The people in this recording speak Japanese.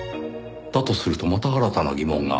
だとするとまた新たな疑問が。